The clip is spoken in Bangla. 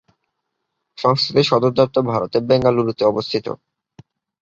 সংস্থাটির সদর দপ্তর ভারতের বেঙ্গালুরুতে অবস্থিত।